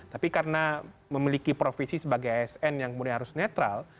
tapi karena memiliki profesi sebagai asn yang kemudian harus netral